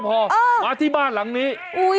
โอ้โหคุณฐี่สาปีกับเรื่องงานเสร็จไม่พอเออ